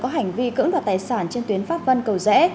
có hành vi cưỡng đoạt tài sản trên tuyến pháp vân cầu rẽ